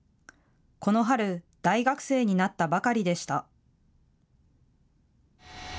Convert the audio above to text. この春、大学生になったばかりでした。